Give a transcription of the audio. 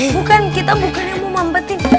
bukan kita bukan yang mau mampetin